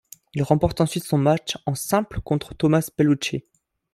Il remporte ensuite son match en simple contre Thomaz Bellucci.